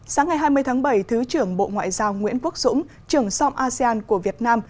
sáng ngày hai mươi tháng bảy thứ trưởng bộ ngoại giao nguyễn quốc dũng trưởng som asean của việt nam